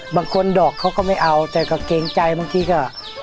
บางคนดอกเขาก็ไม่เอาแต่ก็เกรงใจบางทีก็